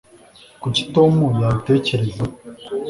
kuki tom yabitekereza